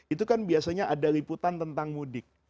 itu kan biasanya ada liputan tentang mudik